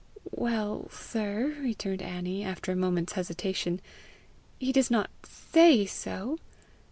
"Well, sir," returned Annie, after a moment's hesitation, "he does not SAY so!"